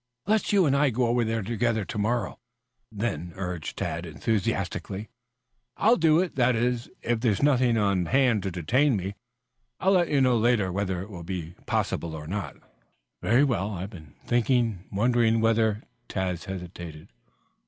"Let's you and I go over there together to to morrow, then," urged Tad enthusiastically. "I'll do it that is, if there is nothing on hand to detain me. I'll let you know later whether it will be possible or not." "Very well. I have been thinking wondering whether " Tad hesitated.